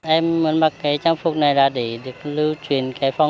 em muốn mặc cái trang phục này là để được lưu truyền cái phong